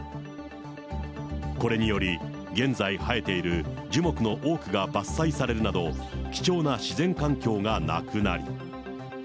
これにより、現在生えている樹木の多くが伐採されるなど、貴重な自然環境がなくなり。